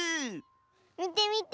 みてみて。